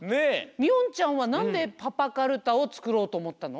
みおんちゃんはなんでパパカルタをつくろうとおもったの？